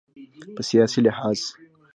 په سیاسي لحاظ